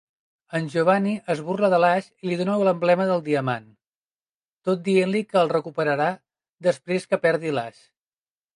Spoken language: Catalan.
En Giovanni es burla de l'Ash i li dóna l'emblema del diamant, tot dient-li que el recuperarà després que perdi l'Ash.